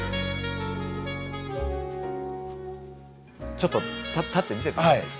ちょっと立って見せてください。